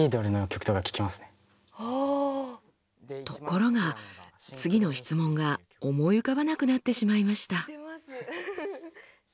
ところが次の質問が思い浮かばなくなってしまいました。